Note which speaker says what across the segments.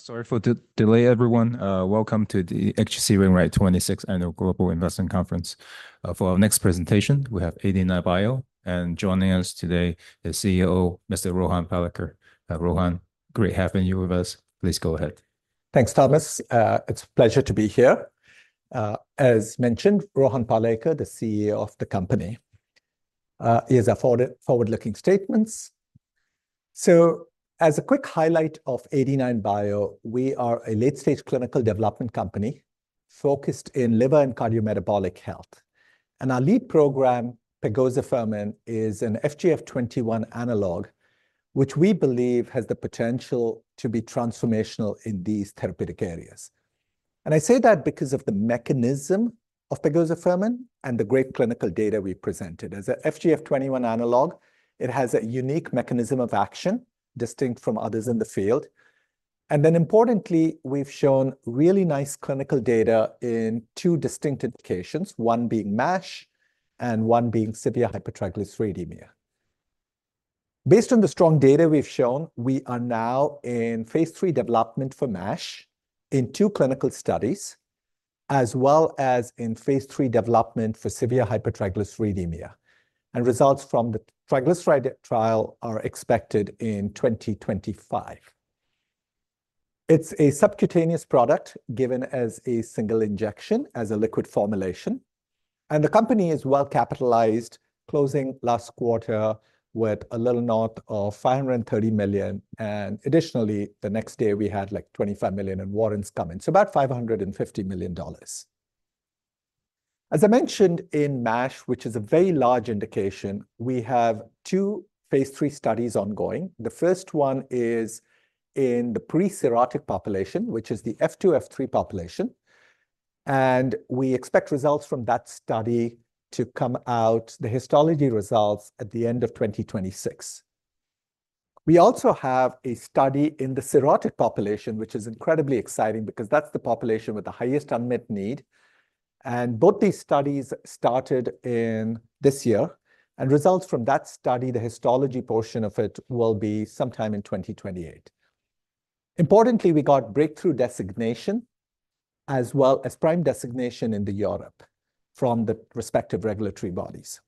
Speaker 1: Sorry for the delay, everyone. Welcome to the H.C. Wainwright 26th Annual Global Investment Conference. For our next presentation, we have 89bio, and joining us today is CEO, Mr. Rohan Palekar. Rohan, great having you with us. Please go ahead.
Speaker 2: Thanks, Thomas. It's a pleasure to be here. As mentioned, Rohan Palekar, the CEO of the company. Here's our forward-looking statements. So as a quick highlight of 89bio, we are a late-stage clinical development company focused in liver and cardiometabolic health. And our lead program, pegozafermin, is an FGF21 analog, which we believe has the potential to be transformational in these therapeutic areas. And I say that because of the mechanism of pegozafermin and the great clinical data we presented. As a FGF21 analog, it has a unique mechanism of action, distinct from others in the field. And then importantly, we've shown really nice clinical data in two distinct indications, one being MASH and one being severe hypertriglyceridemia. Based on the strong data we've shown, we are now in phase 3 development for MASH in two clinical studies, as well as in phase 3 development for severe hypertriglyceridemia. And results from the triglyceride trial are expected in 2025. It's a subcutaneous product, given as a single injection, as a liquid formulation, and the company is well-capitalized, closing last quarter with a little north of $530 million. And additionally, the next day we had, like, $25 million in warrants coming, so about $550 million dollars. As I mentioned in MASH, which is a very large indication, we have two phase 3 studies ongoing. The first one is in the pre-cirrhotic population, which is the F2, F3 population, and we expect results from that study to come out, the histology results at the end of 2026. We also have a study in the cirrhotic population, which is incredibly exciting because that's the population with the highest unmet need. And both these studies started in this year, and results from that study, the histology portion of it, will be sometime in 2028. Importantly, we got breakthrough designation as well as PRIME designation into Europe from the respective regulatory bodies.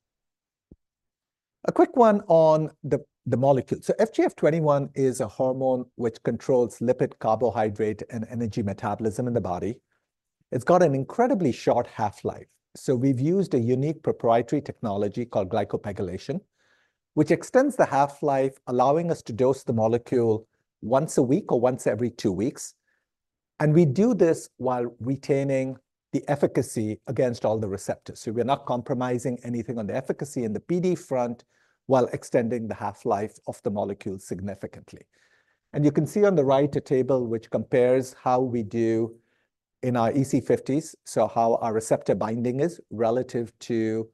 Speaker 2: A quick one on the molecule. So FGF21 is a hormone which controls lipid, carbohydrate, and energy metabolism in the body. It's got an incredibly short half-life, so we've used a unique proprietary technology called GlycoPEGylation, which extends the half-life, allowing us to dose the molecule once a week or once every two weeks. And we do this while retaining the efficacy against all the receptors. We are not compromising anything on the efficacy in the PD front, while extending the half-life of the molecule significantly. And you can see on the right a table which compares how we do in our EC50s, so how our receptor binding is relative to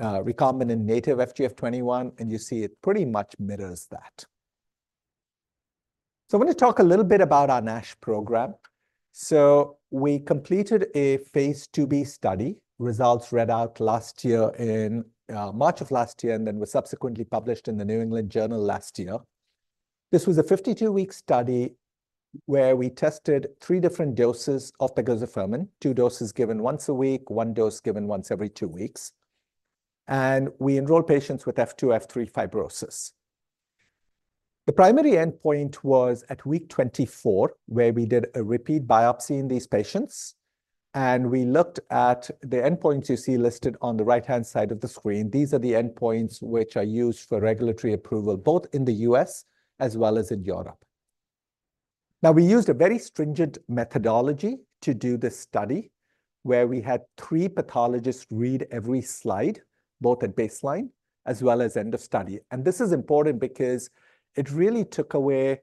Speaker 2: recombinant native FGF21, and you see it pretty much mirrors that. I'm gonna talk a little bit about our NASH program. We completed a phase 2b study. Results read out last year in March of last year, and then were subsequently published in the New England Journal last year. This was a 52-week study where we tested three different doses of the pegozafermin, two doses given once a week, one dose given once every two weeks, and we enrolled patients with F2, F3 fibrosis. The primary endpoint was at week 24, where we did a repeat biopsy in these patients, and we looked at the endpoints you see listed on the right-hand side of the screen. These are the endpoints which are used for regulatory approval, both in the U.S. as well as in Europe. Now, we used a very stringent methodology to do this study, where we had three pathologists read every slide, both at baseline as well as end of study, and this is important because it really took away...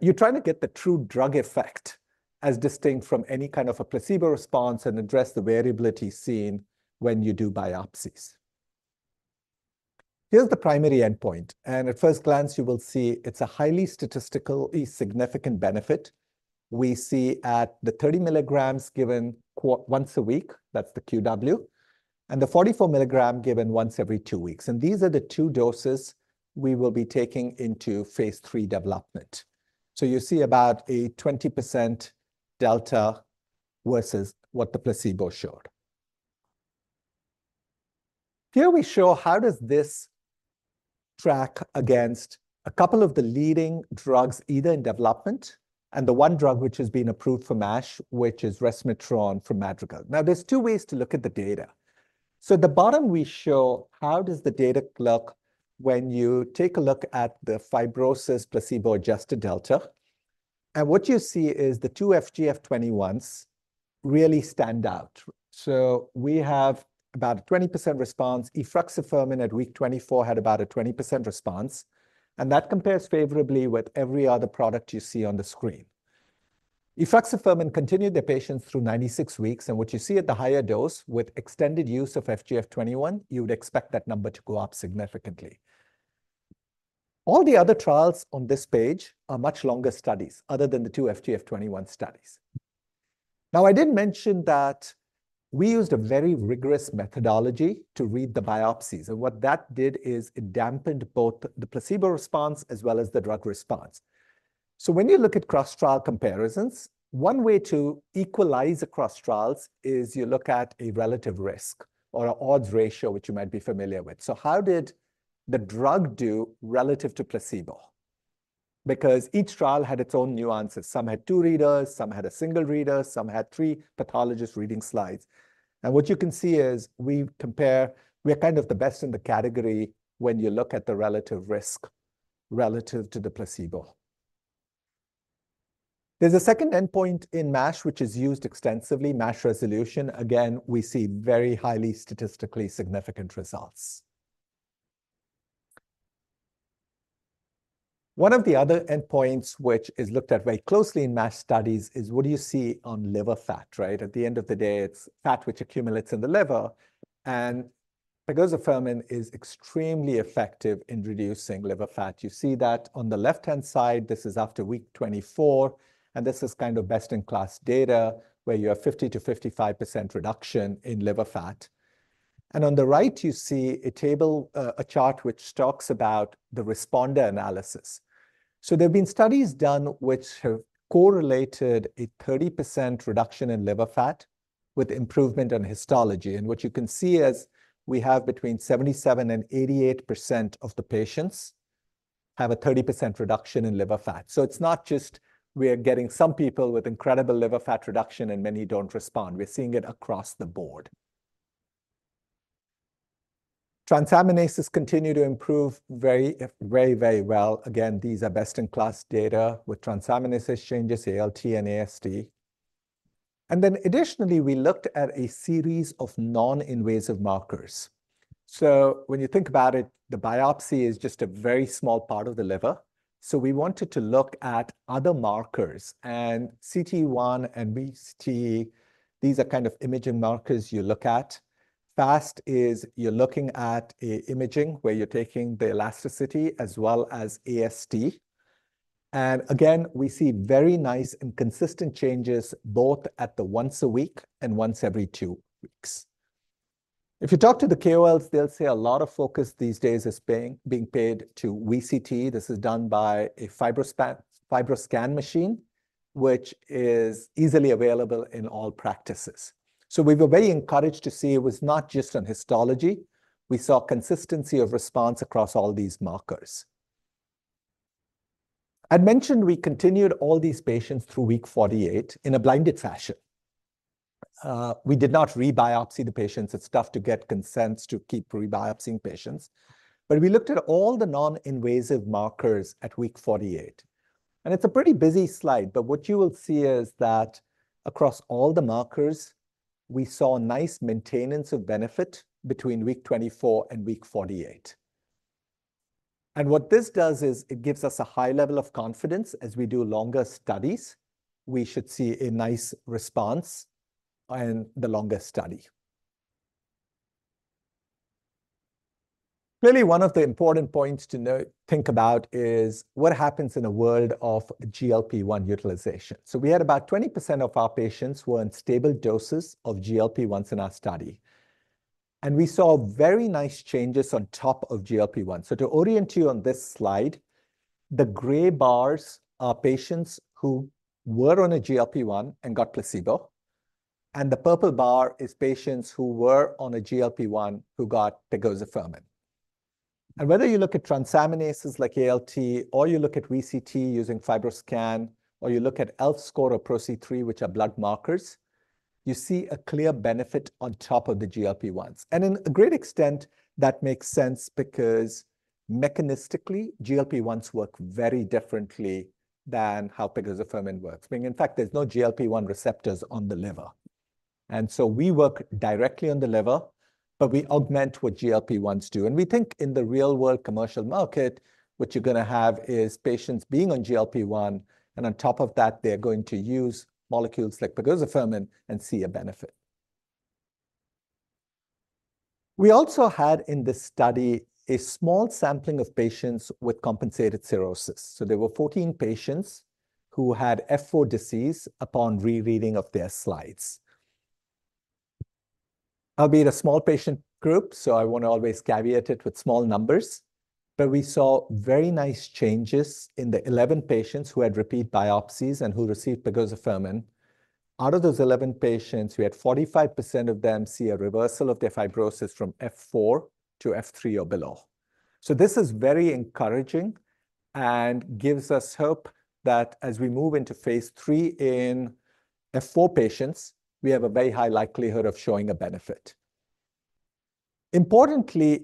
Speaker 2: you're trying to get the true drug effect, as distinct from any kind of a placebo response, and address the variability seen when you do biopsies. Here's the primary endpoint, and at first glance, you will see it's a highly statistically significant benefit. We see at the thirty milligrams given once a week, that's the QW, and the forty-four milligram given once every two weeks. These are the two doses we will be taking into phase 3 development. You see about a 20% delta versus what the placebo showed. Here we show how does this track against a couple of the leading drugs, either in development, and the one drug which has been approved for MASH, which is resmetirom from Madrigal. Now, there's two ways to look at the data. At the bottom we show how does the data look when you take a look at the fibrosis placebo-adjusted delta. What you see is the two FGF21s really stand out. We have about a 20% response. Efruxifermin at week 24 had about a 20% response, and that compares favorably with every other product you see on the screen. Efruxifermin continued the patients through 96 weeks, and what you see at the higher dose with extended use of FGF21, you would expect that number to go up significantly. All the other trials on this page are much longer studies other than the two FGF21 studies. Now, I did mention that we used a very rigorous methodology to read the biopsies, and what that did is it dampened both the placebo response as well as the drug response. So when you look at cross-trial comparisons, one way to equalize across trials is you look at a relative risk or an odds ratio, which you might be familiar with. So how did the drug do relative to placebo? Because each trial had its own nuances. Some had two readers, some had a single reader, some had three pathologists reading slides. What you can see is we compare, we are kind of the best in the category when you look at the relative risk relative to the placebo. There's a second endpoint in MASH, which is used extensively, MASH resolution. Again, we see very highly statistically significant results. One of the other endpoints, which is looked at very closely in MASH studies, is what do you see on liver fat, right? At the end of the day, it's fat which accumulates in the liver, and pegozafermin is extremely effective in reducing liver fat. You see that on the left-hand side. This is after week 24, and this is kind of best-in-class data, where you have 50%-55% reduction in liver fat. On the right, you see a table, a chart which talks about the responder analysis. There have been studies done which have correlated a 30% reduction in liver fat with improvement in histology. What you can see is we have between 77% and 88% of the patients have a 30% reduction in liver fat. It's not just we are getting some people with incredible liver fat reduction and many don't respond. We're seeing it across the board. Transaminases continue to improve very, very, very well. Again, these are best-in-class data with transaminase changes, ALT and AST. Then additionally, we looked at a series of non-invasive markers. When you think about it, the biopsy is just a very small part of the liver. We wanted to look at other markers, and cT1 and VCTE. These are kind of imaging markers you look at. FAST is you're looking at an imaging where you're taking the elasticity as well as AST. And again, we see very nice and consistent changes both at the once a week and once every two weeks. If you talk to the KOLs, they'll say a lot of focus these days is being paid to VCTE. This is done by a FibroScan, FibroScan machine, which is easily available in all practices. We were very encouraged to see it was not just on histology. We saw consistency of response across all these markers. I mentioned we continued all these patients through week forty-eight in a blinded fashion. We did not re-biopsy the patients. It's tough to get consents to keep re-biopsying patients, but we looked at all the non-invasive markers at week 48, and it's a pretty busy slide, but what you will see is that across all the markers, we saw a nice maintenance of benefit between week 24 and week 48, and what this does is it gives us a high level of confidence as we do longer studies. We should see a nice response in the longer study. Clearly, one of the important points to know, think about is what happens in a world of GLP-1 utilization, so we had about 20% of our patients who were on stable doses of GLP-1 in our study, and we saw very nice changes on top of GLP-1. So to orient you on this slide, the gray bars are patients who were on a GLP-1 and got placebo, and the purple bar is patients who were on a GLP-1 who got pegozafermin. And whether you look at transaminases like ALT, or you look at VCTE using FibroScan, or you look at ELF score or PRO-C3, which are blood markers, you see a clear benefit on top of the GLP-1s. And to a great extent, that makes sense because mechanistically, GLP-1s work very differently than how pegozafermin works, being, in fact, there's no GLP-1 receptors on the liver. And so we work directly on the liver, but we augment what GLP-1s do. And we think in the real-world commercial market, what you're going to have is patients being on GLP-1, and on top of that, they're going to use molecules like pegozafermin and see a benefit. We also had in this study a small sampling of patients with compensated cirrhosis. So there were 14 patients who had F4 disease upon rereading of their slides. Albeit a small patient group, so I want to always caveat it with small numbers, but we saw very nice changes in the 11 patients who had repeat biopsies and who received pegozafermin. Out of those 11 patients, we had 45% of them see a reversal of their fibrosis from F4 to F3 or below. So this is very encouraging and gives us hope that as we move into phase three in F4 patients, we have a very high likelihood of showing a benefit. Importantly,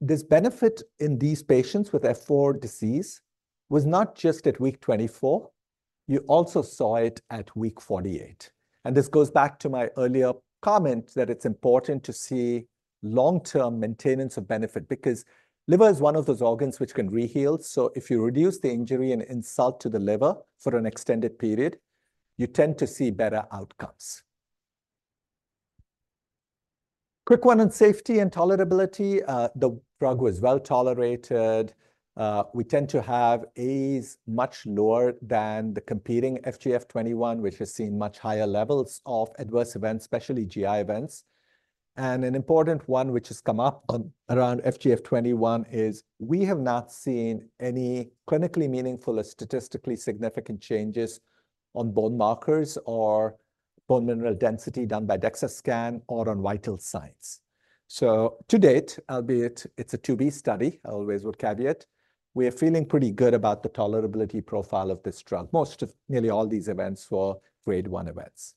Speaker 2: this benefit in these patients with F4 disease was not just at week 24. You also saw it at week 48. This goes back to my earlier comment that it's important to see long-term maintenance of benefit, because the liver is one of those organs which can re-heal, so if you reduce the injury and insult to the liver for an extended period, you tend to see better outcomes. Quick one on safety and tolerability. The drug was well-tolerated. We tend to have AEs much lower than the competing FGF21, which has seen much higher levels of adverse events, especially GI events. An important one, which has come up on around FGF21, is we have not seen any clinically meaningful or statistically significant changes on bone markers or bone mineral density done by DEXA scan or on vital signs. To date, albeit it's a 2b study, I always would caveat, we are feeling pretty good about the tolerability profile of this drug. Nearly all these events were grade one events.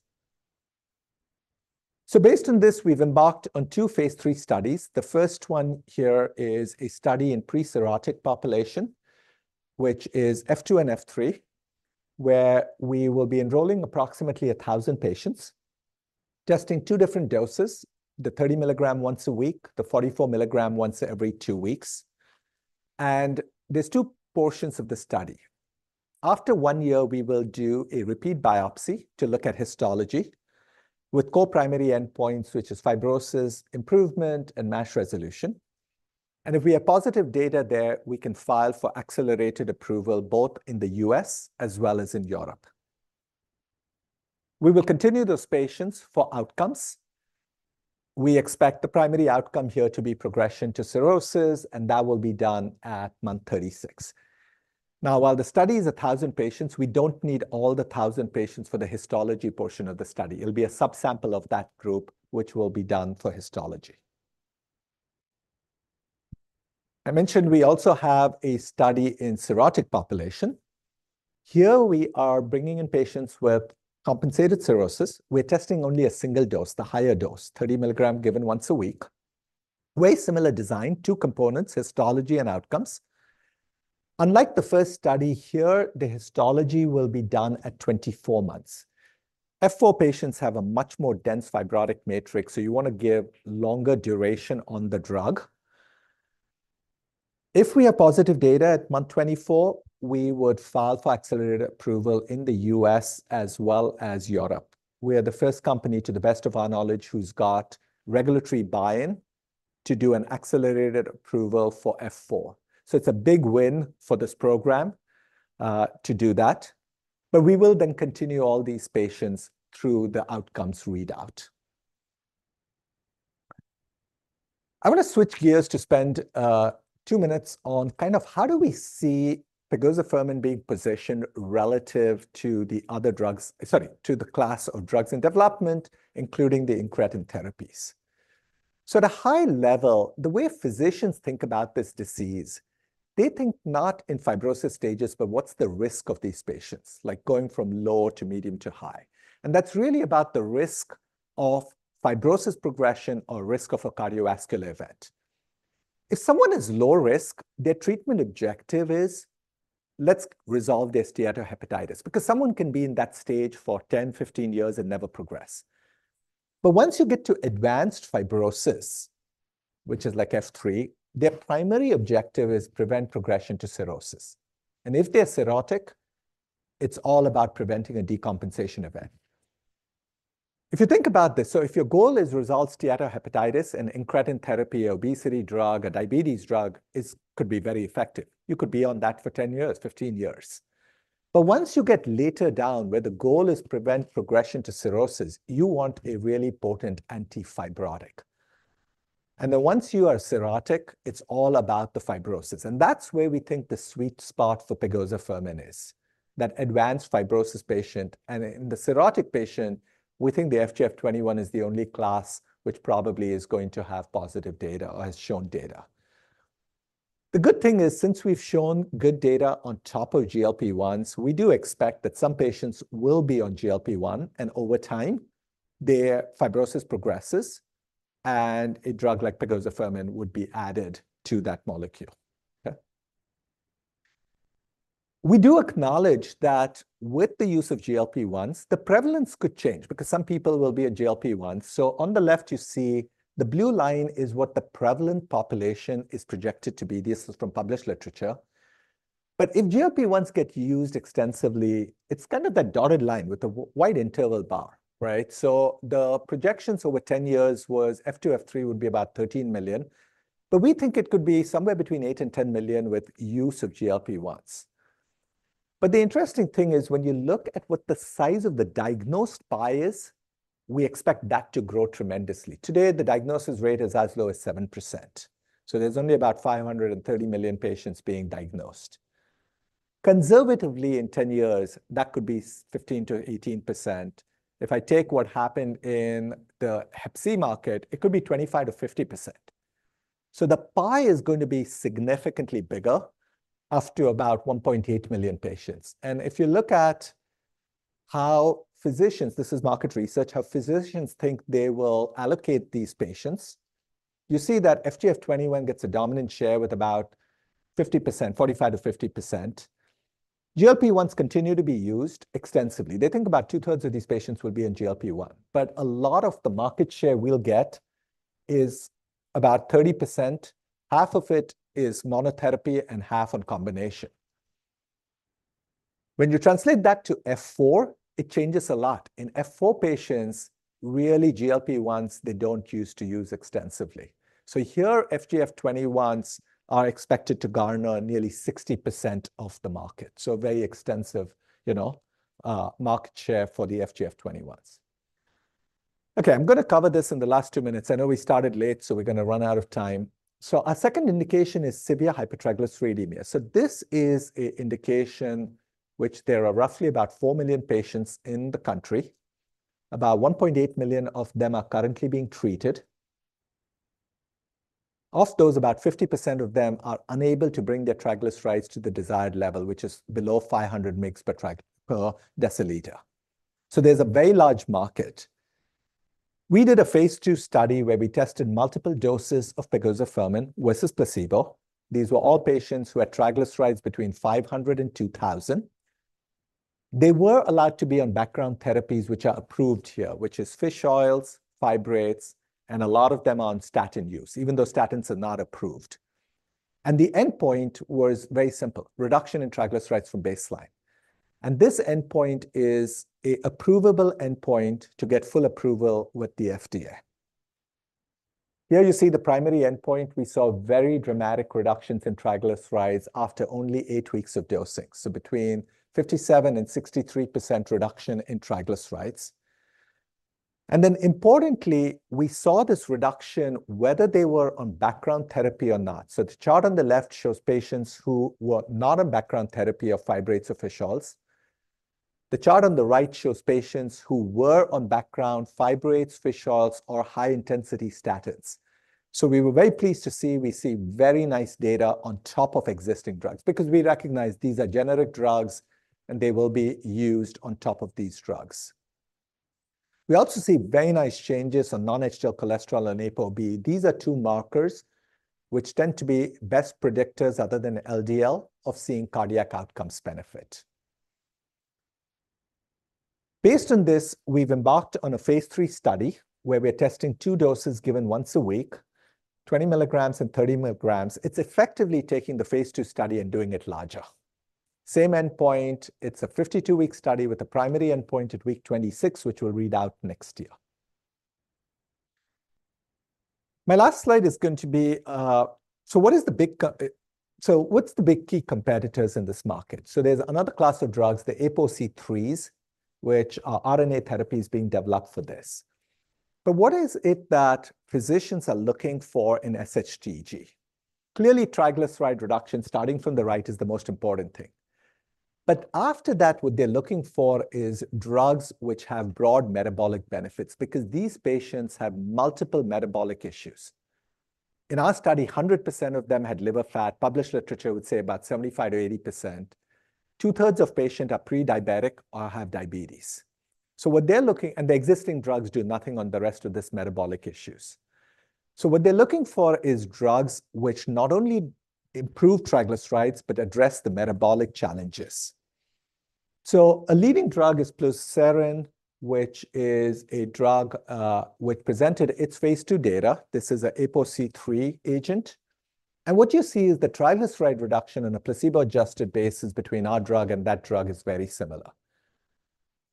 Speaker 2: So based on this, we've embarked on two phase 3 studies. The first one here is a study in pre-cirrhotic population, which is F2 and F3, where we will be enrolling approximately a thousand patients, testing two different doses: the 30 milligram once a week, the 44 milligram once every two weeks. And there's two portions of the study. After one year, we will do a repeat biopsy to look at histology with co-primary endpoints, which is fibrosis, improvement, and MASH resolution. And if we have positive data there, we can file for accelerated approval, both in the U.S. as well as in Europe. We will continue those patients for outcomes. We expect the primary outcome here to be progression to cirrhosis, and that will be done at month 36. Now, while the study is a thousand patients, we don't need all the thousand patients for the histology portion of the study. It'll be a subsample of that group, which will be done for histology. I mentioned we also have a study in cirrhotic population. Here we are bringing in patients with compensated cirrhosis. We're testing only a single dose, the higher dose, 30 milligram, given once a week. Very similar design, two components, histology and outcomes. Unlike the first study here, the histology will be done at 24 months. F4 patients have a much more dense fibrotic matrix, so you wanna give longer duration on the drug. If we have positive data at month 24, we would file for accelerated approval in the U.S. as well as Europe. We are the first company, to the best of our knowledge, who's got regulatory buy-in to do an accelerated approval for F4. So it's a big win for this program to do that, but we will then continue all these patients through the outcomes readout. I wanna switch gears to spend two minutes on kind of how do we see pegozafermin being positioned relative to the other drugs, sorry, to the class of drugs in development, including the incretin therapies. So at a high level, the way physicians think about this disease, they think not in fibrosis stages, but what's the risk of these patients? Like going from low to medium to high. And that's really about the risk of fibrosis progression or risk of a cardiovascular event. If someone is low risk, their treatment objective is, let's resolve the steatohepatitis, because someone can be in that stage for 10, 15 years and never progress, but once you get to advanced fibrosis, which is like F3, their primary objective is prevent progression to cirrhosis, and if they're cirrhotic, it's all about preventing a decompensation event. If you think about this, so if your goal is resolve steatohepatitis, an incretin therapy, obesity drug, a diabetes drug is... could be very effective. You could be on that for 10 years, 15 years, but once you get later down, where the goal is prevent progression to cirrhosis, you want a really potent antifibrotic, and then once you are cirrhotic, it's all about the fibrosis, and that's where we think the sweet spot for pegozafermin is, that advanced fibrosis patient. And in the cirrhotic patient, we think the FGF21 is the only class which probably is going to have positive data or has shown data. The good thing is, since we've shown good data on top of GLP-1s, we do expect that some patients will be on GLP-1, and over time, their fibrosis progresses, and a drug like pegozafermin would be added to that molecule. Okay? We do acknowledge that with the use of GLP-1s, the prevalence could change because some people will be a GLP-1. So on the left, you see the blue line is what the prevalent population is projected to be. This is from published literature. But if GLP-1s get used extensively, it's kind of that dotted line with a wide interval bar, right? So the projections over 10 years was F2, F3 would be about 13 million, but we think it could be somewhere between 8 and 10 million with use of GLP-1s. But the interesting thing is, when you look at what the size of the diagnosed pie is, we expect that to grow tremendously. Today, the diagnosis rate is as low as 7%, so there's only about 530,000 patients being diagnosed. Conservatively, in 10 years, that could be 15%-18%. If I take what happened in the hep C market, it could be 25%-50%. So the pie is going to be significantly bigger, up to about 1.8 million patients. If you look at how physicians, this is market research, how physicians think they will allocate these patients, you see that FGF21 gets a dominant share with about 50%, 45%-50%. GLP-1s continue to be used extensively. They think about two-thirds of these patients will be in GLP-1, but a lot of the market share we'll get is about 30%. Half of it is monotherapy and half on combination... When you translate that to F4, it changes a lot. In F4 patients, really, GLP-1s, they don't use to use extensively. Here, FGF21s are expected to garner nearly 60% of the market. Very extensive, you know, market share for the FGF21s. Okay, I'm gonna cover this in the last two minutes. I know we started late, so we're gonna run out of time. Our second indication is severe hypertriglyceridemia. This is an indication in which there are roughly about 4 million patients in the country. About 1.8 million of them are currently being treated. Of those, about 50% of them are unable to bring their triglycerides to the desired level, which is below 500 mg per deciliter. There's a very large market. We did a phase 2 study where we tested multiple doses of pegozafermin versus placebo. These were all patients who had triglycerides between 500 and 2,000. They were allowed to be on background therapies which are approved here, which is fish oils, fibrates, and a lot of them are on statin use, even though statins are not approved. The endpoint was very simple: reduction in triglycerides from baseline. This endpoint is an approvable endpoint to get full approval with the FDA. Here you see the primary endpoint. We saw very dramatic reductions in triglycerides after only eight weeks of dosing, so between 57% and 63% reduction in triglycerides, and then importantly, we saw this reduction whether they were on background therapy or not, so the chart on the left shows patients who were not on background therapy of fibrates or fish oils. The chart on the right shows patients who were on background fibrates, fish oils, or high-intensity statins, so we were very pleased to see very nice data on top of existing drugs because we recognize these are generic drugs, and they will be used on top of these drugs. We also see very nice changes on non-HDL cholesterol and ApoB. These are two markers which tend to be best predictors, other than LDL, of seeing cardiac outcomes benefit. Based on this, we've embarked on a phase 3 study, where we're testing two doses given once a week, 20 milligrams and 30 milligrams. It's effectively taking the phase 2 study and doing it larger. Same endpoint. It's a 52-week study with a primary endpoint at week 26, which we'll read out next year. My last slide is going to be, So what's the big key competitors in this market? So there's another class of drugs, the ApoC3s, which are RNA therapies being developed for this. But what is it that physicians are looking for in SHTG? Clearly, triglyceride reduction, starting from the right, is the most important thing. But after that, what they're looking for is drugs which have broad metabolic benefits because these patients have multiple metabolic issues. In our study, 100% of them had liver fat. Published literature would say about 75%-80%. Two-thirds of patients are pre-diabetic or have diabetes. And the existing drugs do nothing on the rest of this metabolic issues. So what they're looking for is drugs which not only improve triglycerides, but address the metabolic challenges. So a leading drug is plozasiran, which is a drug, which presented its phase 2 data. This is a ApoC3 agent, and what you see is the triglyceride reduction on a placebo-adjusted basis between our drug and that drug is very similar.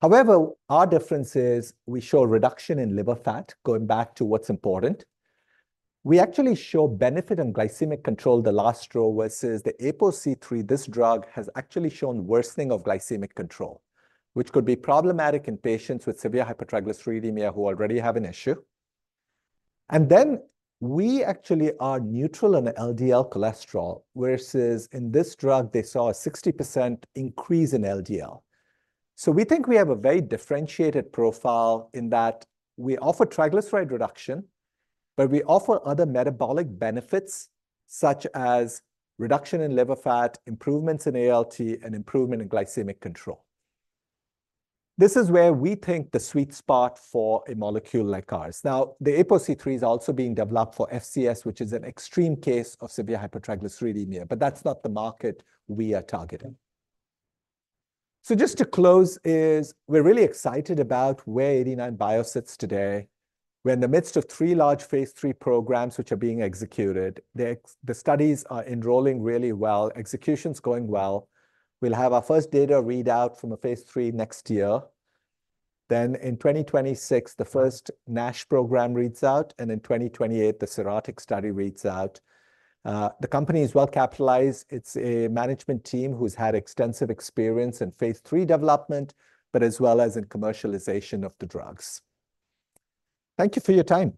Speaker 2: However, our difference is we show a reduction in liver fat, going back to what's important. We actually show benefit in glycemic control, the last row, versus the ApoC3. This drug has actually shown worsening of glycemic control, which could be problematic in patients with severe hypertriglyceridemia who already have an issue. And then we actually are neutral in the LDL cholesterol, whereas in this drug, they saw a 60% increase in LDL. So we think we have a very differentiated profile in that we offer triglyceride reduction, but we offer other metabolic benefits, such as reduction in liver fat, improvements in ALT, and improvement in glycemic control. This is where we think the sweet spot for a molecule like ours. Now, the ApoC3 is also being developed for FCS, which is an extreme case of severe hypertriglyceridemia, but that's not the market we are targeting. So just to close is we're really excited about where 89bio sits today. We're in the midst of three large phase 3 programs, which are being executed. The studies are enrolling really well. Execution's going well. We'll have our first data readout from a phase 3 next year. Then in 2026, the first NASH program reads out, and in 2028, the cirrhotic study reads out. The company is well capitalized. It's a management team who's had extensive experience in phase 3 development, but as well as in commercialization of the drugs. Thank you for your time.